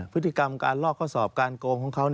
พฤติกรรมการลอกข้อสอบการโกงของเขา